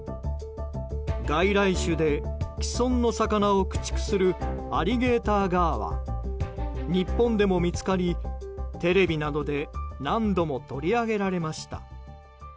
外来種で既存の魚を駆逐するアリゲーターガーは日本でも見つかりテレビなどで何度も取り上げられました。